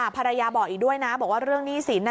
ภรรยาบอกอีกด้วยนะบอกว่าเรื่องหนี้สิน